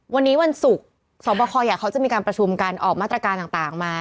วันนี้วันศุกร์สวบคเขาจะมีการประชุมกันออกมาตรการต่างมา